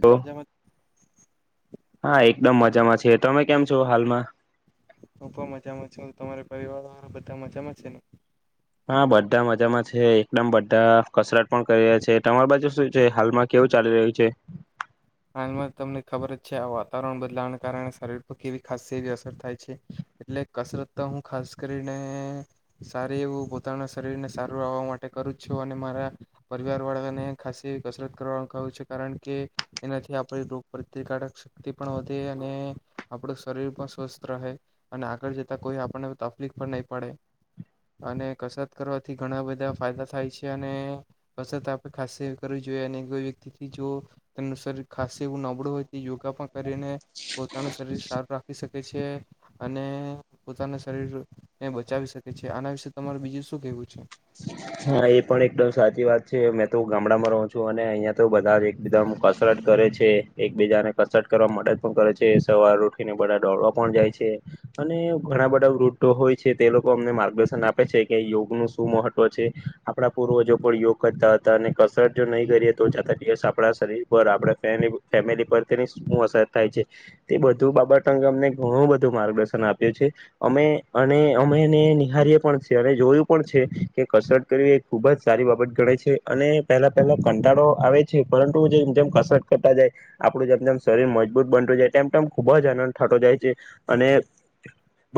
હ મજામાં હા એક એકદમ મજામાં છે તમે કેમ છો હાલમાં? હું પણ મજામાં છું તમારા પરિવાર વાળા મજા મેં છે. હા બધા મજામાં છે એકદમ બધા કસરત પણ કરી રહ્યા છે તમાર બાજુ શું છે હાલમાં કેવું ચાલી રહ્યું છે? હાલમાં તમને ખબર જ છે આ વાતાવરણ બદલાવવાને કારણે શરીર પર કેવી ખાસી એનાથી આપણી રોગ પ્રતિકારક શક્તિ પણ વધે અને તેમનું શરીર ખાાસસી એવું નબળું હોય તે યોગા પણ કરીને પોતાનું શરીર સારું રાખી શકે છે અને પોતાના શરીરને બચાવી શકે છે આના વિશે તમારું બીજું શું કેવું છે? હા એ પણ એકદમ સાચી વાત છે મેં તો ગામડામાં રહો છું અને અહિયાં તો બધા જ એકદમ કસરત કરે છે એકબીજાને કસરત કરવા મદદ પણ કરે છે સવાર ઉઠીને બધા દોડવા પણ જાય છે અને ઘણા બધા વૃદ્ધો હોય છે તે લોકો અમને માર્ગદર્શન આપે છે કે યોગ નું શું મહત્વ છે. આપડા પૂર્વજો પણ યોગ કરતા હતા અને કસરત જો નહી કરીએ તો જાતા દિવસ આપડા શરીર પર આપ ફેમિલી પર તેની શું અસર થાય છે તે બધું બાબત અંગે અમને ઘણું બધું માર્ગદર્શન આપ્યું છે અમે અને અમેને નિહારીએ પણ છે અને જોયું પણ છે કે કસરત એ ખુબ જ સારી બાબત ગ છે અને પહેલા પહેલા કંટાળો આવે છે પરંતુ જેમ જેમ કસરત કરતા જાય આપડું જેમ જેમ શરીર મજબૂત બનતું જાય તેમ તેમ ખુબ જ આનંદ થાતો જાય છે અને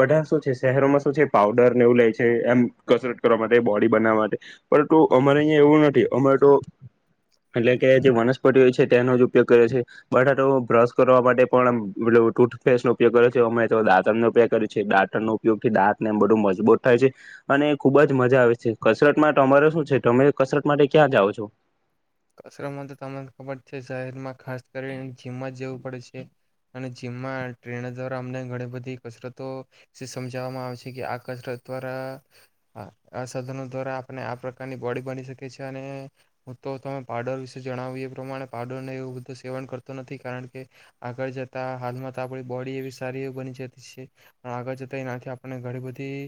બધા શું છે શહેરોમાં શું છે પાવડરને એવું લે છે એમ કસરત કરવા માટે બોડી બનાવવા પરંતુ અમારે અહીંયા એવું નથી અમારે તો એટલે કે જે વનસ્પતિ હોય છે તેનો જ ઉપયોગ કરે છે બધા તો બ્રશ કરવા માટે પણ ટૂથપેસ્ટ નો ઉપયોગ કરે છે અમે તો દાંતણનો ઉપયોગ કરે છે દાંતણનો ઉપયોગથી દાંત ને બધુ મજબૂત થાય છે. અને ખુબ જ મજા આવે છે. કસરત મા તમારે શું છે તમે કસરત માટે ક્યાં જાઓ છો? કસરમાં તો તમને ખબર છે શહેરમાં ખાસ કરીને જીમમાં જવું પડે છે અને જીમમાં ટ્રેનર દ્વારા અમને ઘણી બધી કસરતો સમજાવવામાં આવે છે કે આ કસરત દ્વારા આ સાધનો દ્વારા આપને આ પ્રકારની બોડી બની શકે છે. અને હું તો તમે પારડર વિશે જણાવી એ પ્રમાણે પાવડર ન એવું બધું સેવન કરતો નથી કારણ કે આગળ જતા હાલમાં તો આપણી બોડી એવી સારી એવી બની જતી છે પણ આગળ જતા એનાથી આપણને ઘણી બધી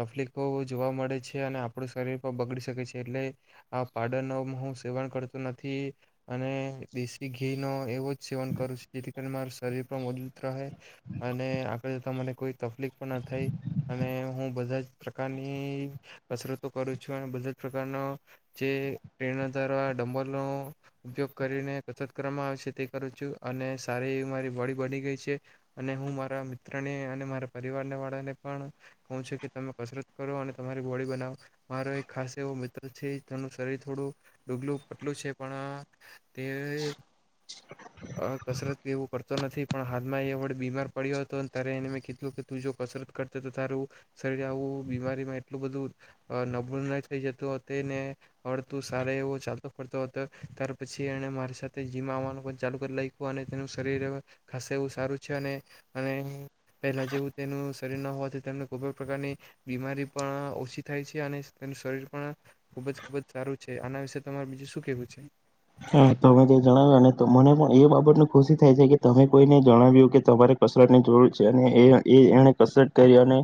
તકલીફો જોવા મળે છે અને આપણું શરીર પણ બગડી શકે છે એટલે આ પાડર નો હું સેવન કરતો નથી અને દેશી ઘી નો એવો જ સેવન કરું છું જેથી કરીને મારું શરીર પણ મજબૂત રહે અને આગળ જતાં મને કોઈ તકલીફ પણ ન થાય અને હું બધા જ પ્રકારની કસરતો કરું છું અને બધા જ પ્રકારનો જે પ્રેરણા તરવા ડમબલનો ઉપયોગ કરીને કસરત કરવામાં આવે છે તે કરું છું અને સારી એવી મારી બોડી બની ગઈ છે અને હું મારા મિત્રને અને મારા પરિવાર વાળા ને પણ ક છું કે તમે કસરત કરો અને તમારી બોડી બનાવો મારો એક ખાસ એવો મિત્ર છે તેનું શરીર થોડું ડગલું પટલું છે પણ તે અ કસરત એવું કરતો નથી પણ હાલમાં એ વડ બીમાર પડ્યો હતો તારે એને મે કીધું તું જો કસરત કરતો તો તારું શરીર આવું બીમારીમાં એટલું બધું નબળું ન થઈ જતું ને [unintelligible] એવો ચાલતો ફરતો હતો તાર પછી એને મારી સાથે જીમ આવવાનું પણ ચાલુ કરી લાયખુ અને તેનું શરીર ખાસુ એવું સારું છે અને અને પહેલા જેવું તેનું શરીર ના હોવાથી તેમને કોઈ પણ પ્રકારની બીમારી પણ ઓછી થાય છે અને તેનું શરીર પણ ખુબ જ ખુબ જ સારું છે. તે આના વિશે તમારે બીજું શું કેહેવું છે? હા તમે જે જણાવ્યું ને તો મને પણ એ બાબતને ખુશી થાય છે કે તમે કોઈને જણાવ્યું કે તમારે કસરત ની જરૂર છે અને એ એ એને કસરત કરી અને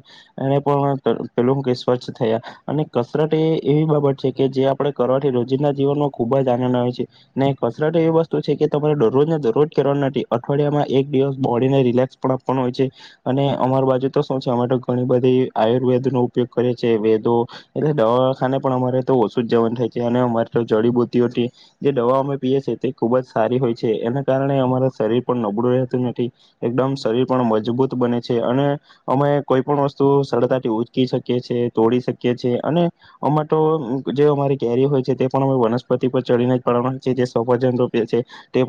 એને પણ પેલું કે સ્વચ્છ થયા અને કસરત એ એવી બાબત છે કે જે આપણે કરવાથી રોજિંદા જીવનનો ખુબ જ આનંદ આવે છે. અને કસરત એવી વસ્તુ છે કે તમારે દરરોજ દરરોજ કરવાના નથી અઠવાડિયામાં એક દિવસ બોડીને રિલેક્સ પણ આપવાનો હોય છે. અને અમાર બાજુ તો શું છે અમારે તો ઘણી બધી આયુર્વેદ નો ઉપયોગ કરે છે વેદો એટલે દવાખાને પણ અમારે તો ઓછું જવાનું નથાય છે અને અમારે તો જડીબુટીઓ જે દવા અમે પીએ છીએ તે ખૂબ જ સારી હોય છે. એના કારણે અમારા શરીર પણ નબળું રહેતું નથી એકદમ શરીર પણ મજબૂત બને છે અને અમે કોઈ પણ વસ્તુ સરળતાથી ઉચકી શકીએ છ છેએ તોડી શકીએ છીએ અને અમા તો જે અમારી કેરી હોય છે તે પણ અમે વનસ્પતિ પર ચડીને [unintelligible] તે પણ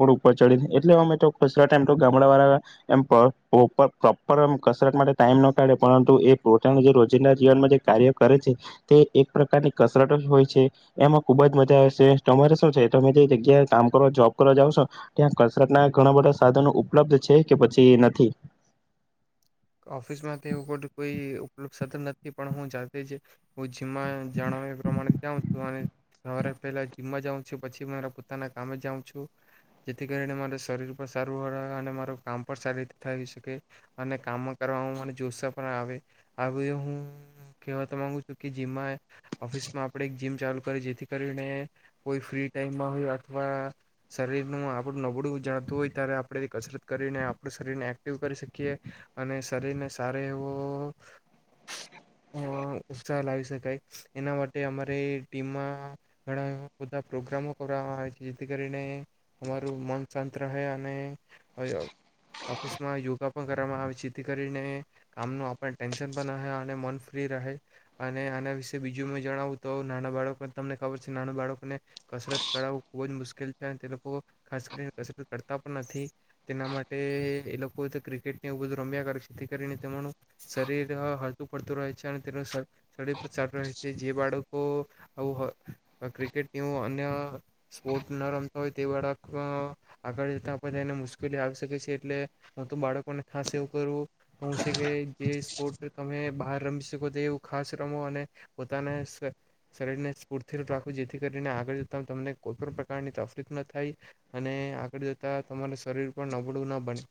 ઉપર ચડી એટલે અમે તો [unintelligible] એમ ગામડા વાળા એમ પ પૉપ પ્રોપર કસરત માટે ટાઈમ ના કાઢે પરંતુ એ પોતાનું જે રોજિંદા જીવનમાં જે કાર્ય કરે છે તે એક પ્રકારની કસરત જ હોય છે. એમાં ખુબ જ મજા આવે છે. તમારે શું છે? તમે જે જગ્યાએ કામ કરો જોબ કરવા જાાવ છો ત્યાં કસરતના ઘણા બધા સાધનો ઉપલબ્ધ છે કે પછી નથી. ઓફિસમાં તો એવું બધું કોઈ ઉપલબ્ધ સાધન નથી પણ હું જાતે જ હું જીમમાં જણાવ્યા પ્રમાણે જાઉં છું અને સવારે પહેલા જીમમાં જાઉં છું પછી મારા પોતાના કામે જાઉં છું જેથી કરીને મારા શરીર પણ સારું અને માર કામ પણ સારી રીતે થઈ શકે અને કામ કરવામાં મને જોસા પણ આવે આ બધ હું કહેવા તો માંગુ છું કે જીમમાં ઓફિસમાં આપણે એક જીમ ચાલુ કરી જેથી કરીને કોઈ ફ્રી ટાઈમમાં હોય અથવા શરીરનું આપણું નબળું જાણતું હોય ત્યારે આપણે કસરત કરીને આપણું શરીરને એક્ટિવ કરી શકીએ. અને શરીરને સારો એવો ઉત્સાહ લાવી શકાય એના માટે અમારે ટીમમાં ઘણા એ બધા પ્રોગ્રામો કરવામાં આવે છે જેથી કરીને અમારું મન શાંત રહે અને ઓફિસમાં યોગા પણ કરવામાં આવે છે. જેથી કરીને કામ નું આપણ ટેન્શન પણ રહે અને મન ફ્રી રહે અને આના વિશે બીજું મે જણાવું તો નાના બાળકોને તમને ખબર છે નાના બાળકોને કસરત કરાવું ખૂબ જ મુશ્કેલ છે તે લોકો ખાસ કરીને કસરત કરતા પણ નથી તેના માટે એ લોકો તો ક્રિકેટને એવું બધું રમ્યા કરે છે [unintelligible] તેઓનું શરીર હળતું પડતું રહે છે અને તેનું [unintelligible] તો આવું ક્રિકેટવું અન્ય સ્પોર્ટ ન રમતા હોય તે બાળક આગળ જતા પણધા એને મુશ્કેલી આવી શકે છે એટલે હું તો બાળકોને ખાસ એવું કરું છે કે જે સ્પોર્ટ તમે બહાર રમી શકો તે એવું ખાસ રમો અને પોતાના શરીરને સ્ફૂર્તિ રાખો જેથી કરીને આગળ જતા તમને કોઈ પણ પ્રકારની તકલીફ ના થાય અને આગળ જતા તમારા શરીર પણ નબળું ન બને.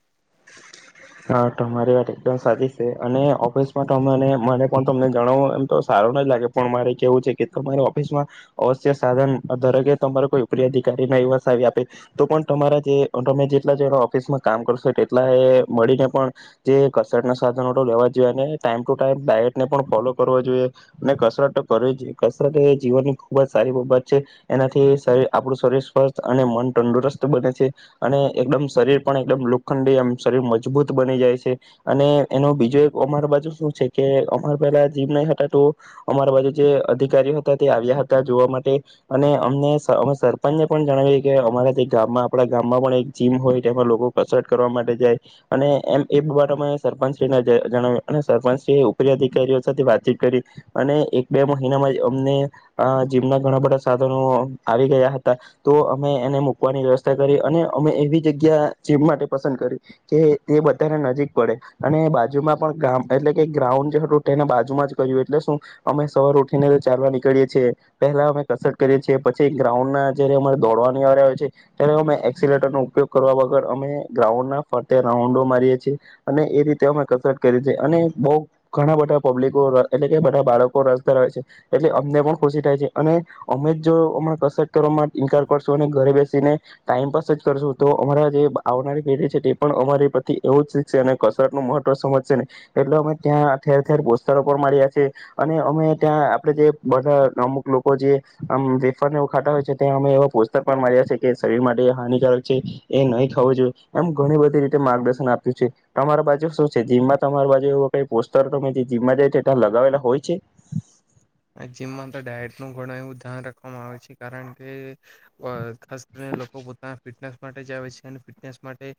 હા તમારી વાત એકદમ સાચી છે અને ઓફિસમાંને મને પણ તમને જણાવું એમ તો સારો ન લાગે પણ મારે કેવું છે કે તમારી ઓફિસમાં અવશ્ય સાધન દરેકે તમારા કોઈ ઉપરી અધિકારી ના વસાવી આપે તો પણ તમારા જે તમે જેટલા જણા ઓફિસમાં કામ કરશો તેટલા મળીને પણ જે કસરતના સાધનો તો લેવા જોઈએ અને ટાઈમ ટુ ટાઈમ ડાયટને પણ ફોલો કરવાો જોઈએ અને કસરત કરવી જોઈએ કસરત એ જીવનની ખુબ જ સારી બાબત છે એનાથી આપણું શરીર સ્વસ્થ અને મન તંદુરસ્ત બને છે અને એકદમ શરીર પણ એકમ લુખંડીમ શરીર મજ મજબૂત બની જાય છે અને એનો બીજો એક અમારા બાજુ શું છે કે અમારા પેલા જીમ નહી હતા તો અમારા બાજુ જે અધિકારીઓ હતા તે આવ્યા હતા જોવા માટે અને અમને અમે સરપંચને પણ જણાવએ કે અમારા જે ગામમાં આપણા ગામમાં પણ જીમ હોય તેમાં લોકો કસરત કરવા માટે જાય અને એમ એર અમે સરપંચશ્રીને જણાવ્યું અને સરપંચશ્રી એ ઉપરી અધિકારીઓ સાથે વાતચીત કરી અને એક બે મહિનામાં અમને જીમના ઘણા બધા સાધનો આવી ગયા હતા તો અમે એને મૂકવાની વ્યવસ્થા કરી અને અમે એવી જગ્યા જીમ માટે પસંદ કરી કે એ બધાને નજીક પડે અને બાજુમાં પણ ગામ એટલે કે ગ્રાઉન્ડ જે હતું તેને બાજુમાં જ કર્યું એટલે શું અમે સવાર ઉઠીને ચાલવા નીકળીએ છીએ પેલા અમે કસર કરીએ છીએ પછી ગ્રાઉન્ડ ના જયારે અરે દોડવાની આવ્યા હોય છે ત્યારે અમે એક્સલેટર નો ઉપયોગ કરવા વગર અમે ગ્રાઉન્ડના રાઉન્ડો મારીએ છેીએ અને એ રીતે અમે કસરત કરી છેી અને બહ ઘણા બધા પબ્લિકો એટલે કે બધા બાળકો રસ ધરાવે છે એટલે અમને પણ ખુશી થાય છે અને અમે જો અણા કસરત કરવા માટે ઇન્કાર કરશું અને ઘરે બેસીને ટાઈમપાસ જ કરશું તો અમારા જે આવનારી પેઢી છે પણ અમારી પ્રથી એવું જ શીખશે અને કસરત નું મહત્વ સમજશે ને એટલે અમે ત્યાં ઠેર ઠેર પોસ્ટતરો પણ માર્યા છે અને અમે ત્યાં આપડ જે બધા અમુક લોકો જે વેફરને ઉખાતા હોય છે ત્યાં અમે એવા પોસ્ટતર પણ માર્યા છે કે શરીર માટે હાનિકારક છે એ નહી ખવું જોઈએ એમ ઘણી બધી રીતે માર્ગદર્શન આપ્યું છે તમારા બાજુ શું છે જીમમાં તમારી બાજુ એવ કઈ પોસ્ટર તમે જે જીમમાં જાય છે એ લગાવેલા હોય છે જીમમાં તો ડાયટ ન ઘણું એવું ધ્યાન રાખવામાં આવે છે કારણ કે હસ્ત લોકો પોતાના ફિટનેસ માટે જ આવે છે અને ફિટનેસ માટે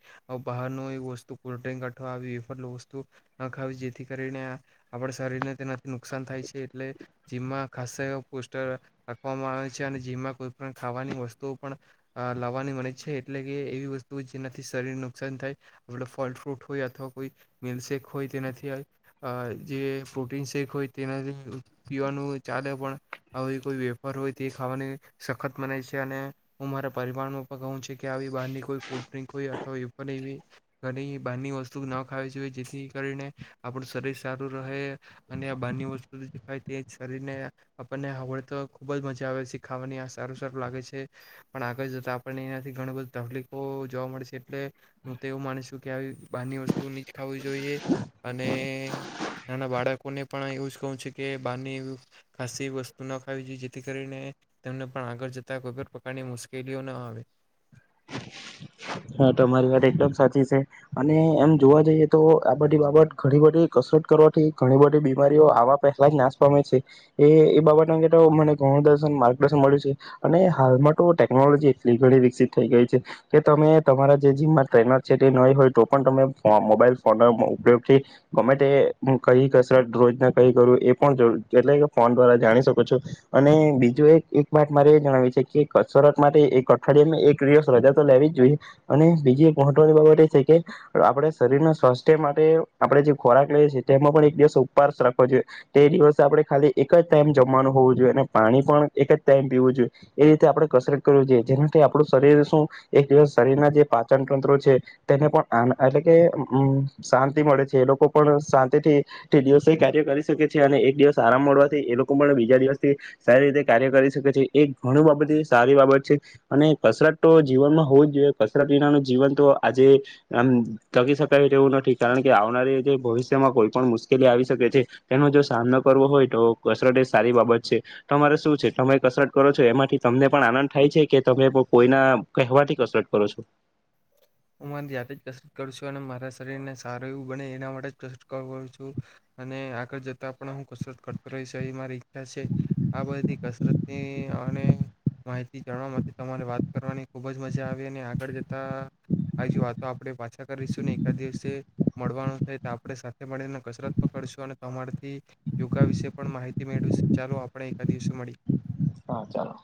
બહારનું એ વસ્તુ કોલ્ડ્રિંક અઠવા એ વસ્તુ ન ખાવી જેથી કરીને આપણા શરીરને તેનાથી નુકસાન થાય છે એટલે જીમમાં ખાસ એ પોસ્ટર રાખવામાં આવે છે અને જીમમાં કોઈ પણ ખાવાની વસ્તુઓ પણ લાવવાની મળે છે એટલે કે એવી વસ્તુ જેનાથી શરીરને નુકસાન થાય આપ ફલ ફ્રૂટ હોય અથવા કોઈ મિલ્લક શેક હોય તેનાથી જે પ્રોટીન શેક હોય તેનાથી પીવાનું ચાલે પણ આવી કોઈ વેપાર હોય તે ખાવાની સખત મનાય છે અને હું મારા પરિવાર ન પણ કહું છે કે આવી બહારની કોઈ કોલ્ડ્રિં કોઈ તો એ પણ એવી ઘણી બાારની વસ્તુ ના ખાવ જોઈએ જેથી કરીને આપણું શરીર સારું રહે અને આ બાની વસ્તુ તે જ શરીરને આપણને આવડ તો ખૂબ જ મજા આવે છે ખાવાની આ સારું સારું લાગે છે પણ આગળ જતા આપણને એનાથી ઘણ બધી તકલીફો જોવા મળે છે એટલે હું તો એવું માની છું કે આવી બની વસ્તુ નની જ ખાવવી જોઈએ અને નાના બાળકોને પણ એવું જ કહું છે કે બારની ખાાસ વસ્તુ ના ખાવી જોઈએ જેથી કરીને તેમને પણ આગળ જતા કોઈ પણ પ્રકારની મુશ્કેલીઓ ના આવે હા તમારી વાત એકદમ સાચી છે અને એમ જોવા જઈએ તો આ બધી બાબત ઘણી બધી કસરત કરવાથી ઘણી બધી બીમારીઓ આવા પહેલા જ નાશ પામે છે એ એ બાબત અંગે મને ઘણું દ માર્ગદર્શન મળ્યું છે અને હાલમાં તો ટેકનોલોજી એટલી ઘણી વિકસિત થઈ ગઈ છે કે તમે તમારા જે જીમમાં ટ્રેનર છે તે નહી હોય તો પણ તમે મોબાઈલ ફોન ના ઉપયોગથી ગમે કઈ કસરત રોજ ના કઈ કરું એ પણ એટલે કે ફોન દ્વારા જાણી શકો છો અને બીજું એક એક વાત મારે એ જણાવી છે કે કસરત મા એક અઠવાડિયા એક દિવસ રજા તો લેવી જ જોઈએ અને બીજી એક મહત્વની બાબત એ છે કે આપણે શરીરના સ્વાસ્થ્ય માટે આપણે જે ખોરાક લઈએ છીએ તેમાં પણ એક દિવસ ઉપવાસ રાખવો જોઈએ તે દિવસે આપણે ખાલી એક જ ટાઈમ જમવાનું હોવું જોઈએ અને પાણી પણ એક જ ટાઈમ પીવું જોઈએ એ રીતે આપણે કસરત કરવી જોઈએ જેનાથી આપણું શરીર શું એક દિવસ શરીરના જે પાચન તંત્રો છે તેને પણ આ એટલે કેમ શાંતિ મળે છે એ લોકો પણ શાંતિથી દિવસે કાર્ય કરી શકે છે અને એક દિવસ આરામ મળવાથી એ લોકો પણ બીજા દિવસથી સારી રીતે કાર્ય કરી શકે છે એ ઘણી બાબત સારી બાબત છે અને કસરત તો જીવનમાં હોવું જ જોઈએ કસરત વિનાનું જીવન તો આજે આમ તકી શકાય તેવું નથી કારણ કે આવનારી જે ભવિષ્યમાં કોઈ પણ મુશ્કેલી આવી શકે છે તેનો જો સામનો કરવો હોય તો કસરત એ સારી બાબત છે તમારે શું છે તમે કસરત કરો છો એમાંથી તમને પણ આનંદ થાય છે કે તમે કોઈના કહેવાથી કસરત કર છો હું મારી જાતે જ કસરત કર છું અને મારા શરીર ને સારું એવું બને એના માટે જ કસરત કરું છું અને આગળ જતા પણ હું કસરત કરતો રહીશ એ મારી ઈચ્છા છે આ બધી કસરતની અને માહિતી જાણવા માટે તમારે વાત કરવાની ખુબ જ મજા આવી અને આગળ આવી જ વાતો આપણે પાછા કરીશું ને એકાદ દિવસે મળવાનું થાય તો આપણે સાથે મળીને કસરત પકડશું અને તમારાથી યોગા વિશે પણ માહિતી મેળવીશ ચાલો આપણે એકાદ દિવસે મળી હા ચાલો